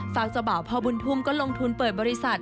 เจ้าบ่าวพ่อบุญทุ่มก็ลงทุนเปิดบริษัท